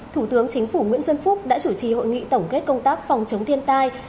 thủ tướng chính phủ nguyễn xuân phúc đã chủ trì hội nghị tổng kết công tác phòng chống thiên tai